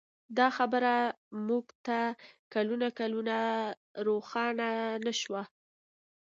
دا خبره موږ ته کلونه کلونه روښانه نه شوه.